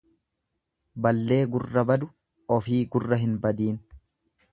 Ballee gurra badu ufii gurra hin badiin.